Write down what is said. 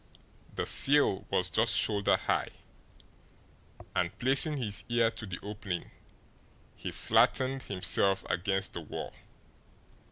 The sill was just shoulder high, and, placing his ear to the opening, he flattened himself against the wall.